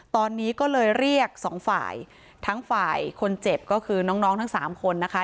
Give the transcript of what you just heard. ตอนนี้ก็เลยเรียกสองฝ่ายทั้งฝ่ายคนเจ็บก็คือน้องน้องทั้งสามคนนะคะ